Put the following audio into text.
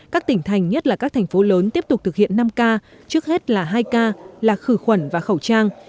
các tỉnh thành nhất là các thành phố lớn tiếp tục thực hiện năm k trước hết là hai k là khử khuẩn và khẩu trang